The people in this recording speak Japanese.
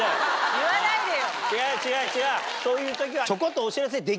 言わないでよ。